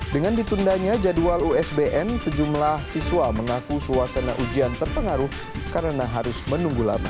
dengan ditundanya jadwal usbn sejumlah siswa mengaku suasana ujian terpengaruh karena harus menunggu lama